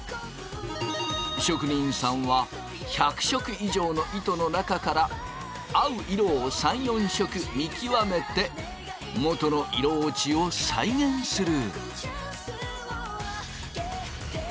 職人さんは１００色以上の糸の中から合う色を３４色見極めてもとの色落ちを再現する。